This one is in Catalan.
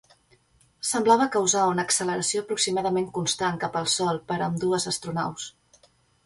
Semblava causar una acceleració aproximadament constant cap el sol per a ambdues astronaus.